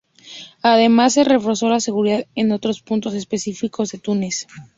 Además, se reforzó la seguridad en otros puntos específicos de Túnez.